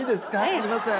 すいません。